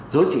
rồi chị ạ